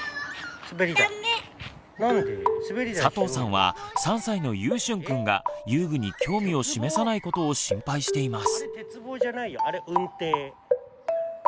佐藤さんは３歳のゆうしゅんくんが遊具に興味を示さないことを心配しています。